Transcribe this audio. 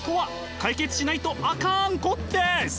解決しないとあかん湖です！